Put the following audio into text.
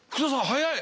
早い。